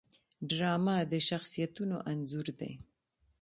ډرامه د شخصیتونو انځور دی